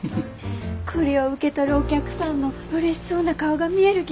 こりょう受け取るお客さんのうれしそうな顔が見える気がします。